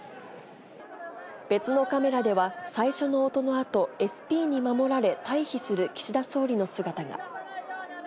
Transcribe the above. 別のカメラでは、最初の音のあと、ＳＰに守られ、退避する岸田総理の姿が。